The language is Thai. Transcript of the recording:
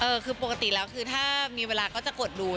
คือปกติแล้วคือถ้ามีเวลาก็จะกดดู